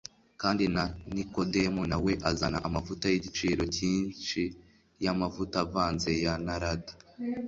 kandi na Nikodemu na we azana amavuta y'igiciro cyinshi y'amavuta avanze ya Narada